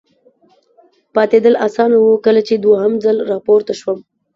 پاتېدل اسانه و، کله چې دوهم ځل را پورته شوم.